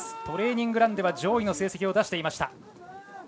トレーニングランでは上位の成績を出していました。